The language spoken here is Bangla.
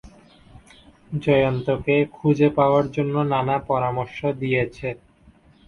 জয়ন্তকে খুঁজে পাওয়ার জন্য নানা পরামর্শ দিয়েছে।